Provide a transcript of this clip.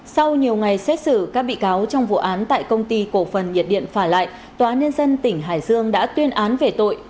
sau nhiều ngày xét xử các bị cáo trong vụ án tại công ty cổ phần nhiệt điện phà lại tòa nhân dân tỉnh hải dương đã tuyên án về tội